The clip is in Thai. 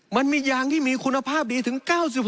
มันมียางที่มีคุณภาพดีถึง๙๖